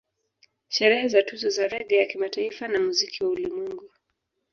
Sherehe za Tuzo za Reggae ya Kimataifa na Muziki wa ulimwengu